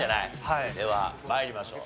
では参りましょう。